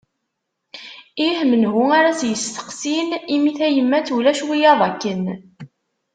Ih, menhu ara tt-yesteqsin, imi tayemmat ulac wiyyaḍ akken.